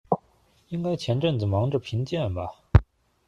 應該前陣子忙著評鑑吧